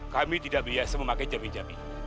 kami tidak biasa memakai jabi jabi